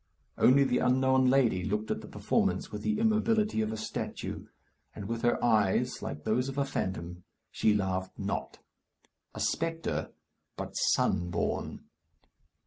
Only the unknown lady looked at the performance with the immobility of a statue, and with her eyes, like those of a phantom, she laughed not. A spectre, but sun born.